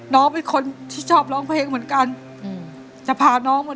แล้วตอนนี้พี่พากลับไปในสามีออกจากโรงพยาบาลแล้วแล้วตอนนี้จะมาถ่ายรายการ